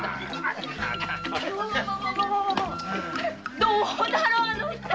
どうだろあの二人。